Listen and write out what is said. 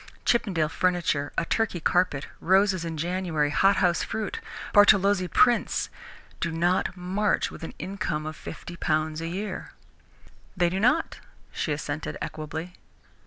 Chippendale furniture, a Turkey carpet, roses in January, hothouse fruit, Bartolozzi prints, do not march with an income of fifty pounds a year." "They do not," she assented equably.